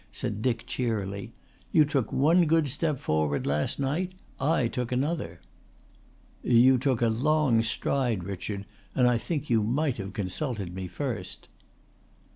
said Dick cheerily. "You took one good step forward last night, I took another." "You took a long stride, Richard, and I think you might have consulted me first."